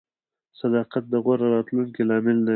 • صداقت د غوره راتلونکي لامل دی.